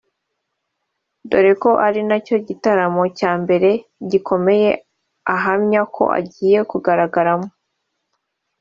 dore ko ari nacyo gitaramo cya mbere gikomeye ahamya ko agiye kugaragaramo